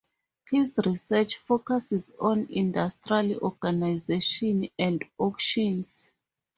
His research focuses on industrial organisation and auctions.